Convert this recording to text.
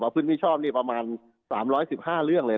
พื้นที่ชอบนี่ประมาณ๓๑๕เรื่องเลย